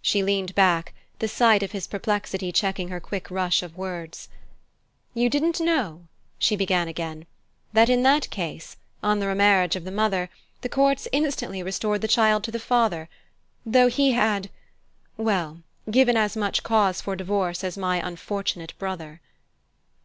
She leaned back, the sight of his perplexity checking her quick rush of words. "You didn't know," she began again, "that in that case, on the remarriage of the mother, the courts instantly restored the child to the father, though he had well, given as much cause for divorce as my unfortunate brother?"